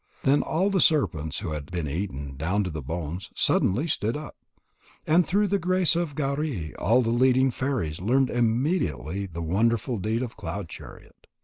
Then all the serpents who had been eaten down to the bones, suddenly stood up. And through the grace of Gauri all the leading fairies learned immediately the wonderful deed of Cloud chariot.